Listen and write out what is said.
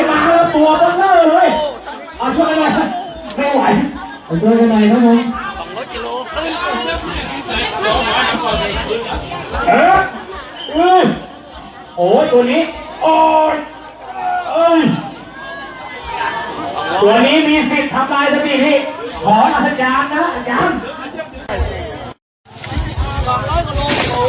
ป่านแม่นปลาเก็ตสักพิคล้ายที่เอาไปตอนนี้เป็นสัก๑๒จูบ